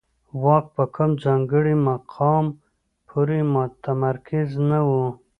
واک په کوم ځانګړي مقام پورې متمرکز نه و